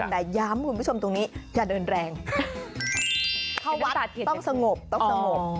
แต่ย้ำคุณผู้ชมตรงนี้อย่าเดินแรงเข้าวัดต้องสงบต้องสงบ